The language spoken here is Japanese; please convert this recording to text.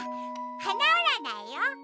はなうらないよ。